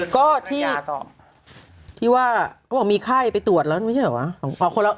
ก็ที่ว่ามีไข้ไปตรวจแล้วมันไม่ใช่หรือเปล่า